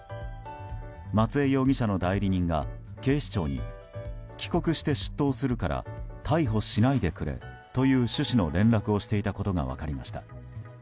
松江容疑者の代理人が警視庁に帰国して出頭するから逮捕しないでくれという趣旨の連絡をしていたことが分かりました。